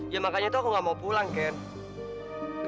ya makanya tuh aku nggak mau pulang candy